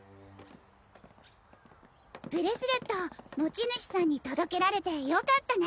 ブレスレット持ち主さんに届けられて良かったね。